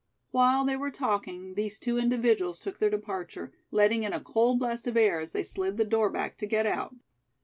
While they were talking, these two individuals took their departure, letting in a cold blast of air as they slid the door back to get out.